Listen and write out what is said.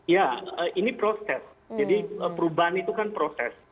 ya ini proses jadi perubahan itu kan proses